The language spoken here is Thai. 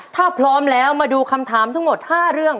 ถ้าพร้อมแล้วมาดูคำถามทั้งหมด๕เรื่อง